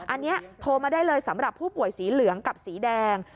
อันนี้โทรมาได้เลยสำหรับผู้ป่วยสีเหลืองกับสีแดง